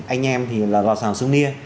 anh em thì là lò xào xung niên